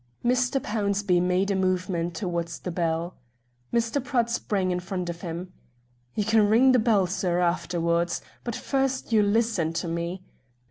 Mr. Pownceby made a movement towards the bell. Mr. Pratt sprang in front of him. "You can ring the bell, sir, afterwards; but first you'll listen to me.